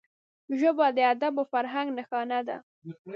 ژبه د ادب او فرهنګ نښانه ده